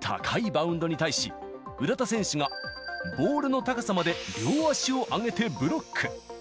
高いバウンドに対し、浦田選手がボールの高さまで両足を上げてブロック。